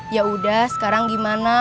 yaudah sekarang gimana